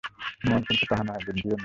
মন কিন্তু তাহা নহে, বুদ্ধিও নহে।